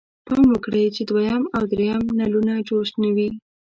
پام وکړئ چې دویم او دریم نلونه جوش نه وي.